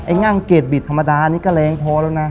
งั่งเกรดบิดธรรมดานี่ก็แรงพอแล้วนะ